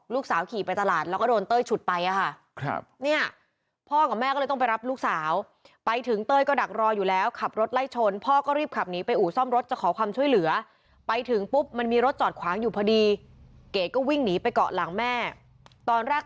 ลูกเกียจลูกแบบคาวดังเย็นมาก